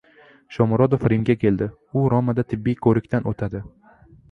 Shomurodov Rimga keldi. U "Roma"da tibbiy ko‘rikdan o‘tadi